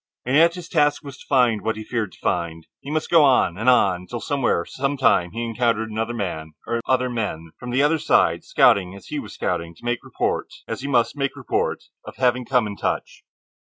And yet his task was to find what he feared to find. He must on, and on, till somewhere, some time, he encountered another man, or other men, from the other side, scouting, as he was scouting, to make report, as he must make report, of having come in touch.